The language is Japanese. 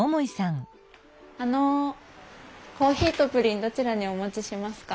あのコーヒーとプリンどちらにお持ちしますか？